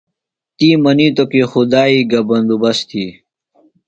تی منِیتوۡ کی خدائی گہ بندوبست تھی۔